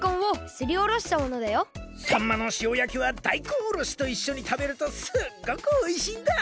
さんまのしおやきはだいこんおろしといっしょにたべるとすっごくおいしいんだ。